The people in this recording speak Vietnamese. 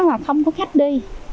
nó là không có khách đi